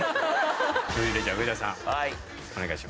続いてじゃあ上田さんお願いします。